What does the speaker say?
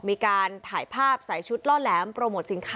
มีการถ่ายภาพใส่ชุดล่อแหลมโปรโมทสินค้า